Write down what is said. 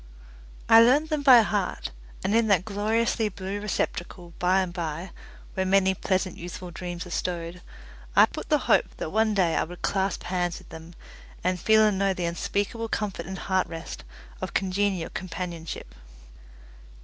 I learnt them by heart, and in that gloriously blue receptacle, by and by, where many pleasant youthful dreams are stowed, I put the hope that one day I would clasp hands with them, and feel and know the unspeakable comfort and heart rest of congenial companionship.